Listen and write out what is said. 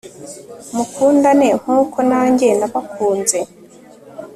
mukundane nk'uko nange nabakunze